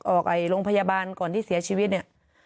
โรงพยาบาลก่อนที่เสียชีวิตเนี่ย